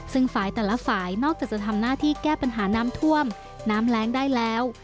ซึ่งฝ่ายแต่ละฝ่ายนอกจากจะทำหน้าที่แก้ปัญหาน้ำท่วมน้ำแรงได้แล้ว